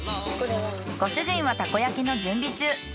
ご主人はタコ焼きの準備中。